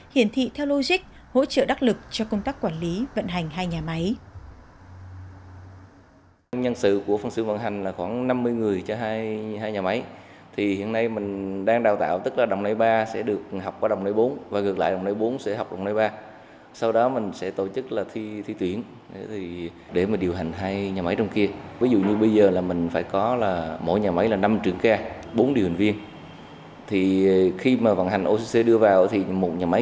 hiển thị theo logic hỗ trợ đắc lực cho công tác quản lý vận hành hai nhà máy